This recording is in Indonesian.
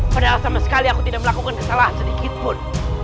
padahal sama sekali aku tidak melakukan kesalahan sedikit pun